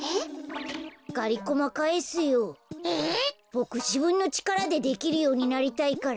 ボクじぶんのちからでできるようになりたいから。